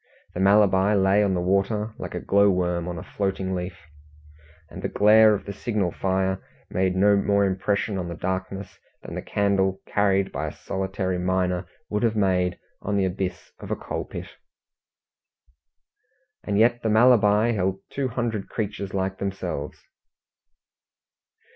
The Malabar lay on the water like a glow worm on a floating leaf, and the glare of the signal fire made no more impression on the darkness than the candle carried by a solitary miner would have made on the abyss of a coal pit. And yet the Malabar held two hundred creatures like themselves!